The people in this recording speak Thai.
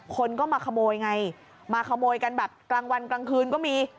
คนก็มาขโมยไงมาขโมยกันแบบกลางวันกลางคืนก็มี